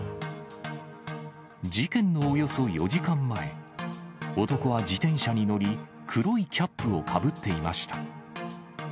事件のおよそ４時間前、男は自転車に乗り、黒いキャップをかぶっていました。